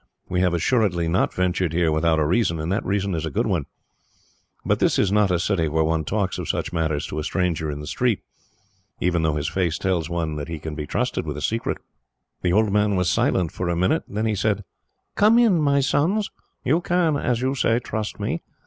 "We have assuredly not ventured here without a reason, and that reason is a good one; but this is not a city where one talks of such matters to a stranger in the street, even though his face tells one that he can be trusted with a secret." The old man was silent for a minute; then he said: "Come in, my sons. You can, as you say, trust me.